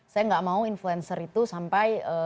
saya nggak mau influencer itu sampai